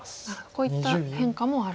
こういった変化もあると。